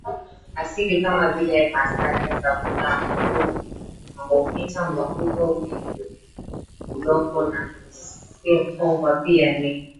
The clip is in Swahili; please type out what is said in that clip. asili kama vile masada savula makuhu mahofita mafudo minhingi vudongo na nisongwaPia ni